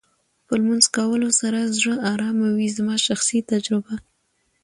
په لمونځ کولو سره زړه ارامه وې زما شخصي تجربه